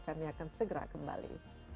kami akan segera kembali